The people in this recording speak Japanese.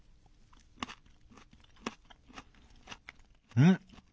うん！